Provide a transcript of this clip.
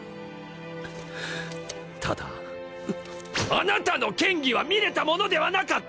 あなたの剣技は見れたものではなかった！